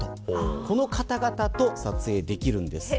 この方々と撮影できるんです。